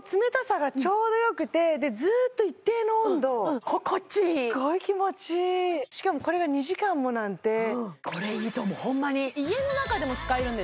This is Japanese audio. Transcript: ホントずっと一定の温度心地いいすっごい気持ちいいしかもこれが２時間もなんてこれいいと思うホンマに家の中でも使えるんです